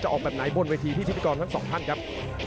จะออกแบบไหนบนวิธีที่ทิศพิการทั้งสองท่านครับ